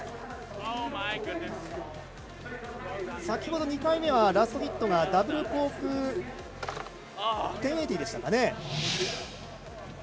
先ほど２回目はラストヒットがダブルコーク１０８０でしたかね。